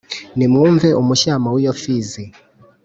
nimwumve umushyamo w’iyo mfizi